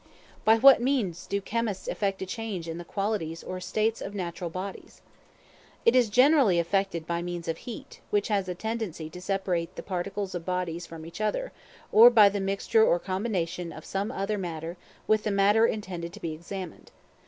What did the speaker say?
By what means do Chemists effect a change in the qualities or states of natural bodies? It is generally effected by means of heat, which has a tendency to separate the particles of bodies from each other; or by the mixture or combination of some other matter with the matter intended to be examined.